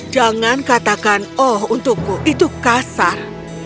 jangan katakan oh untukku itu kasar